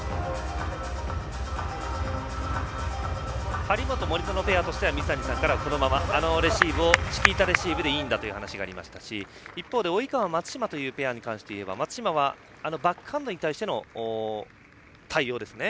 張本、森薗ペアとしては水谷さんからはこのままレシーブをチキータレシーブでいいんだという話がありましたし一方で及川、松島ペアに関していえば松島はバックハンドに対しての対応ですね。